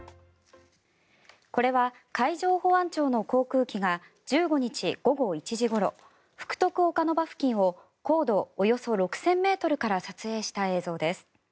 これは、海上保安庁の航空機が１５日午後１時ごろ福徳岡ノ場付近を高度およそ６０００ｍから撮影した映像です。